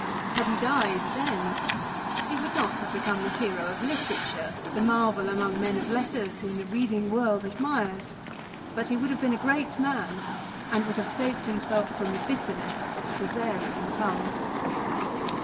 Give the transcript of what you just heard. Had he died then, he would not have become the hero of literature, the marvel among men of letters whom the reading world admires ; but he would have been a great man and would have saved himself from the bitterness of Csesarean tongues.